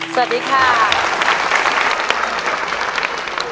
สวัสดีครับ